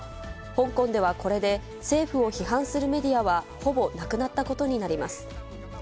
香港ではこれで、政府を批判するメディアは、ほぼなくなったことになります。